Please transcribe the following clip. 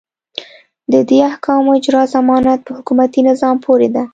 د دې احکامو اجرا ضمانت په حکومتي نظام پورې ده.